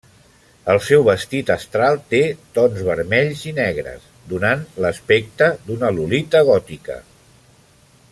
El seu vestit astral té tons vermells i negres, donant l'aspecte d'una Lolita gòtica.